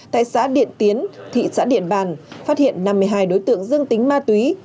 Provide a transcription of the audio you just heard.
tại xã điện tiến thị xã điện bàn phát hiện năm mươi hai đối tượng dương tính ma túy